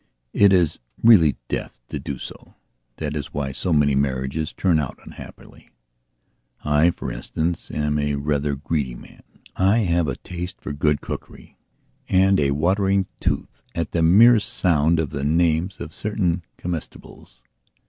It is really death to do sothat is why so many marriages turn out unhappily. I, for instance, am a rather greedy man; I have a taste for good cookery and a watering tooth at the mere sound of the names of certain comestibles.